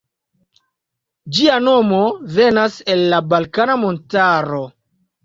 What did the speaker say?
Ĝia nomo venas el la Balkana Montaro.